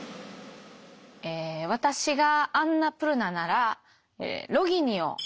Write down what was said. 私がアンナプルナならロギニを選びます。